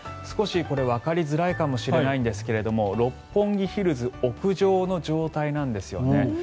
少しこれはわかりづらいかもしれないんですが六本木ヒルズ屋上の状態なんですよね。